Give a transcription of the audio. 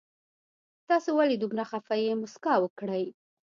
تاسو ولې دومره خفه يي مسکا وکړئ